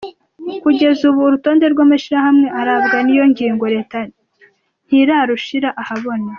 Kugeza ubu urutonde rw'amashirahamwe arabwa n'iyo ngingo reta ntirarushira ahabona.